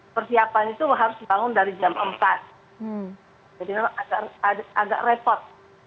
persiapan itu harus bangun dari jam empat jadi memang agak repot